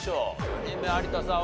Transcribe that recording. ４人目有田さん